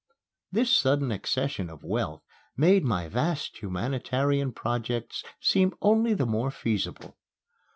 This sudden accession of wealth made my vast humanitarian projects seem only the more feasible.